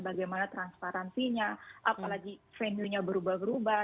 bagaimana transparansinya apalagi venuenya berubah berubah